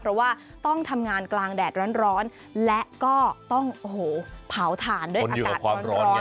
เพราะว่าต้องทำงานกลางแดดร้อนและก็ต้องโอ้โหเผาถ่านด้วยอากาศร้อน